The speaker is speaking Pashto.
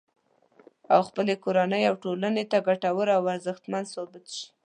او خپلې کورنۍ او ټولنې ته ګټور او ارزښتمن ثابت شي